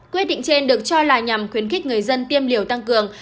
quyết định trên được cho là nhằm khuyến khích người dân tiêm liều tăng cường